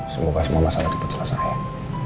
semoga semua masalah itu pencelesaian